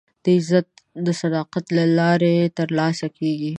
عزت د صداقت له لارې ترلاسه کېږي.